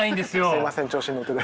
すいません調子に乗ってて。